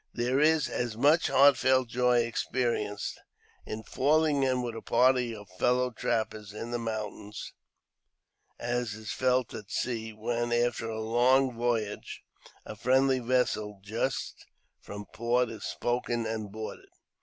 There is as much heartfelt joy experienced in falling in with a _party of fellow trappers in the mountains as is felt at sea when, after a long voyage, a friendly vessel just from port is spoken and boarded.